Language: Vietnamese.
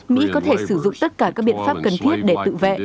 mỹ có thể sử dụng tất cả các biện pháp cần thiết để tự vệ